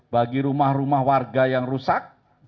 bagi rumah rumah warga yang rusak